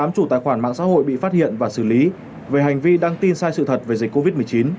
một mươi chủ tài khoản mạng xã hội bị phát hiện và xử lý về hành vi đăng tin sai sự thật về dịch covid một mươi chín